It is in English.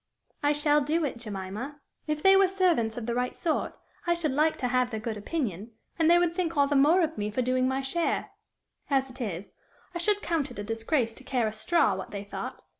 "I shall do it, Jemima. If they were servants of the right sort, I should like to have their good opinion, and they would think all the more of me for doing my share; as it is, I should count it a disgrace to care a straw, what they thought.